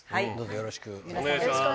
よろしくお願いします。